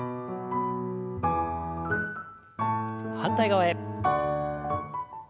反対側へ。